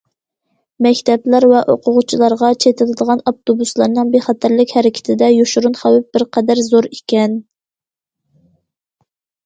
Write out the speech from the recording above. مەكتەپلەر ۋە ئوقۇغۇچىلارغا چېتىلىدىغان ئاپتوبۇسلارنىڭ بىخەتەرلىك ھەرىكىتىدە يوشۇرۇن خەۋپ بىر قەدەر زور ئىكەن.